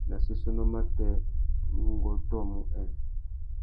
Nà séssénô matê, ngu ôtōmú nhêê.